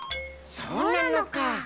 そうなのか。